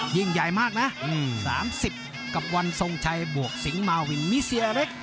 ยิ่งใหญ่มากนะ๓๐กับวันทรงชัยบวกสิงหมาวินมีเสียเล็ก